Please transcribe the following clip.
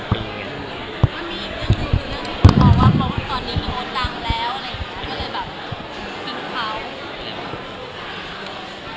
มันมีอีกเรื่องบอกว่าตอนนี้มันอดรังแล้วอะไรอย่างนี้